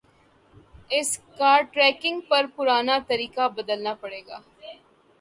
اس کا ٹریننگ کا پرانا طریقہ بدلنا پڑے گا